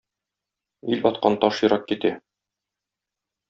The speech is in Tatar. Ил аткан таш ерак китә.